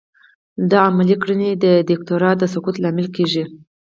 دا عملي کړنې د دیکتاتورۍ د سقوط لامل کیږي.